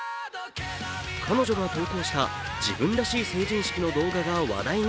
彼女が投稿した自分らしい成人式の動画が話題に。